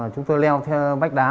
chúng tôi leo theo vách đá